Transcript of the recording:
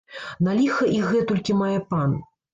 На ліха іх гэтулькі мае пан?